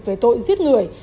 về tội giết người